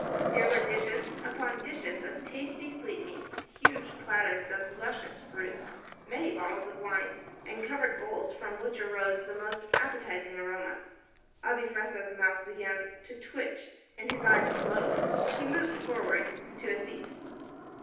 There were dishes upon dishes of tasty sweetmeats, huge platters of luscious fruits, many bottles of wine, and covered bowls from which arose the most appetizing aroma. Abi Fressah's mouth began to twitch and his eyes glowed. He moved forward to a seat.